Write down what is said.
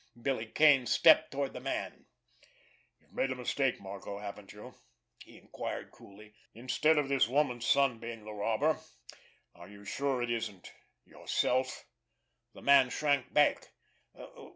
Billy Kane stepped toward the man. "You've made a mistake, Marco, haven't you?" he inquired coolly. "Instead of this woman's son being the robber, are you sure it isn't—yourself?" The man shrank back.